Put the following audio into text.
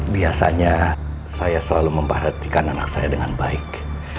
biasanya saya selalu memperhatikan anak saya dengan baik